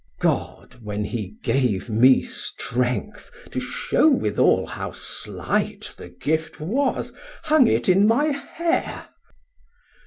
God, when he gave me strength, to shew withal How slight the gift was, hung it in my Hair.